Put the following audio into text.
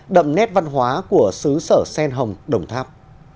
đậm nét văn hóa của xứ sở sen hồng đồng tháp